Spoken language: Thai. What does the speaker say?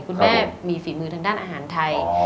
คุณแม่มีฝีมือทางด้านอาหารไทย